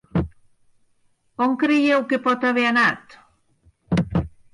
On creieu que pot haver anat?